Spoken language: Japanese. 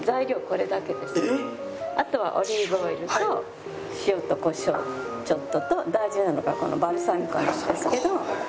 あとはオリーブオイルと塩とコショウちょっとと大事なのがこのバルサミコなんですけど。